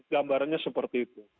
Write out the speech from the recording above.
gambarnya seperti itu